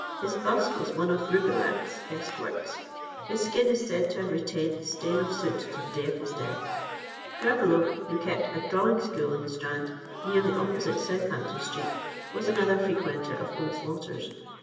His bust was one of Roubilliac's best works. His skin is said to have retained the stain of soot to the day of his death. Gravelot, who kept a drawing school in the Strand, nearly opposite Southampton Street, was another frequenter of Old Slaughter's.